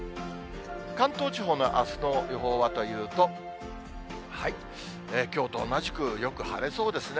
関東地方のあすの予報はというと、きょうと同じくよく晴れそうですね。